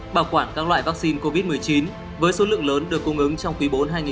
bảo quản các loại vaccine covid một mươi chín với số lượng lớn được cung ứng trong quý bốn hai nghìn hai mươi